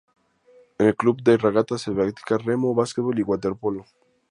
En el Club de Regatas se practica remo, basquetbol y waterpolo.